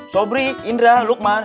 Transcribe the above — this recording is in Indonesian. sobri indra lukman